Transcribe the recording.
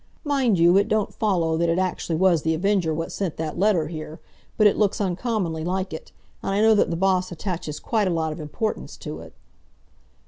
Mind you, it don't follow that it actually was The Avenger what sent that letter here, but it looks uncommonly like it, and I know that the Boss attaches quite a lot of importance to it."